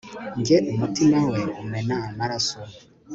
njye, umutima we umena amaraso